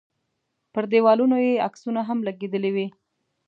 پر دیوالونو یې عکسونه هم لګېدلي وي.